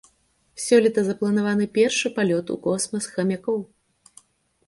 Сёлета запланаваны першы палёт у космас хамякоў.